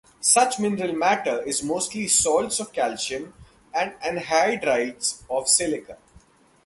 Such mineral matter is mostly salts of calcium and anhydrides of silica.